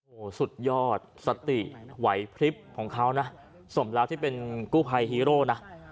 โอ้โหสุดยอดสติไหวพลิบของเขานะสมแล้วที่เป็นกู้ภัยฮีโร่นะ